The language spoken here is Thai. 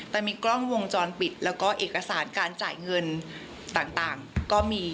แต่มีกล้องวงจรปิดแล้วก็เอกสารการจ่ายเงินต่างก็มี